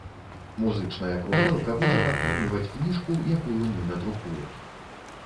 Музычная кружэлка будзе падтрымліваць кніжку, якую мы надрукуем.